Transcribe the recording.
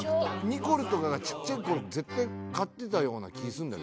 ニコルとかがちっちゃいころ絶対買ってたような気する。